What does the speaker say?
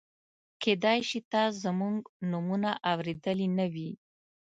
کېدای شي تا زموږ نومونه اورېدلي نه وي.